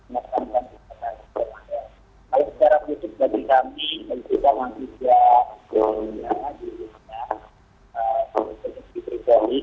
masyarakat di libya masih tidak normal untuk menjalankan ibadah puasa